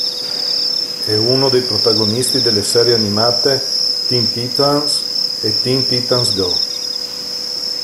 È uno dei protagonisti delle serie animate "Teen Titans" e "Teen Titans Go!